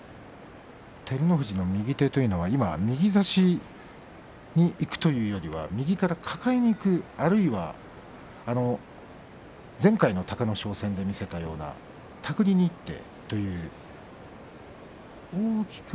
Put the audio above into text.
照ノ富士の右手というのは右差しにいくというよりは右から抱えにいく、あるいは前回の隆の勝戦で見せた手繰りにいって。